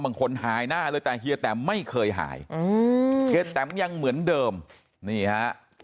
หายหน้าเลยแต่เฮียแตมไม่เคยหายเฮียแตมยังเหมือนเดิมนี่ฮะ